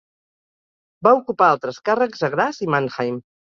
Va ocupar altres càrrecs a Graz i Mannheim.